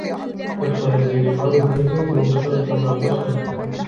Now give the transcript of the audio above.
للخنازير بعض الميزات المشتركة مع البشر.